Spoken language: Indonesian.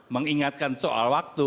mengingatkan soal waktu